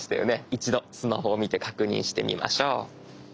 一度スマホを見て確認してみましょう。